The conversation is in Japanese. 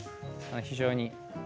非常に。